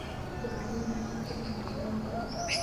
د هغوی مقام ته درناوی وکړئ.